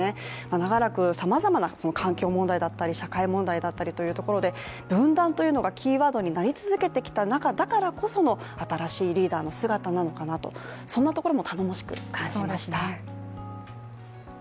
長らくさまざまな環境問題だったり社会問題だったりという中で分断というのがキーワードになり続けてきた中だからこその新しいリーダーの姿なのかなとそんなところも頼もしく感じました。